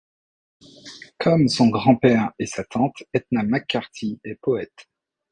Comme son grand-père et sa tante, Ethna MacCarthy est poète.